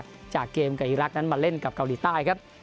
หรือว่าจะชนะเตะแก่หลักจากเกมกับอีรักทร์นั้นมาเล่นกับเกาหลีใต้ครับ